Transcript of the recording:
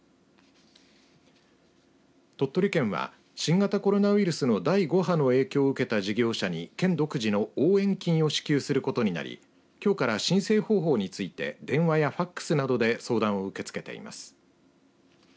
鳥取県は、新型コロナウイルスの第５波の影響を受けた事業者に県独自の応援金を支給することになりきょうから申請方法について電話やファックスなどで相談を受け付けています。